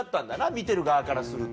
見てる側からすると。